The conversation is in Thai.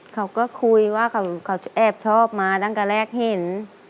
เขาก็คุยว่าเขาแอบชอบมาตั้งแต่แรกเห็น